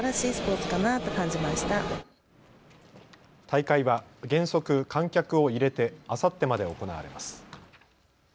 大会は原則、観客を入れてあさってまで行われます。